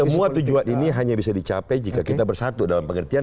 semua tujuan ini hanya bisa dicapai jika kita bersatu dalam pengertian